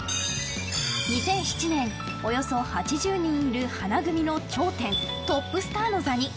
２００７年、およそ８０人いる花組の頂点、トップスターの座に。